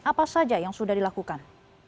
apa saja yang sudah dilakukan